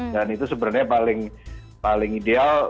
dan itu sebenarnya paling ideal